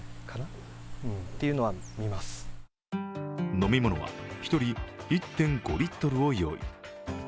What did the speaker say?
飲み物は１人１．５リットルを用意。